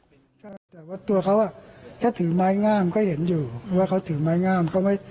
ใช่แต่ว่าตัวเขาอ่ะแค่ถือไม้งามก็เห็นอยู่ว่าเขาถือไม้งามก็ไม่